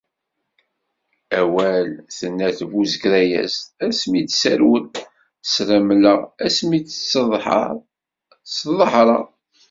Awal tenna tbuzegrayezt: asmi d ssermel, sremleɣ; asmi d sseḍher, sḍehreɣ.